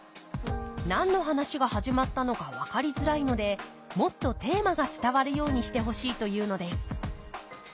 何の話が始まったのか分かりづらいのでもっとテーマが伝わるようにしてほしいというのです。